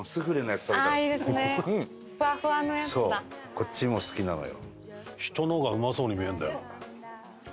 こっちも好きなのよ。